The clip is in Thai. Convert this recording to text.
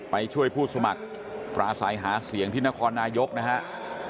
ไปช่วยผู้สมัครปราศัยหาเสียงที่นครนายกนะครับ